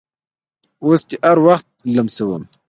اوس دې هر وخت لمسوم